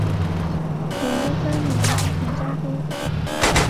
永禄三年继承家督。